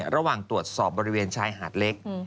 ระหว่างตรวจสอบบริเวณชายหาดเล็ก